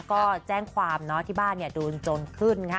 ก็แจ้งความที่บ้านเนี่ยดูจนขึ้นค่ะ